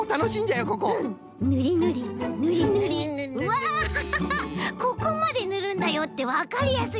わここまでぬるんだよってわかりやすいねこれ。